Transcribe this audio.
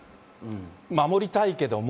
守りたいけども。